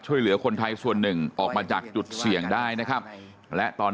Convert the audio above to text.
ช่วยเหลือคนไทยส่วนหนึ่งออกมาจากจุดเสี่ยงได้นะครับและตอน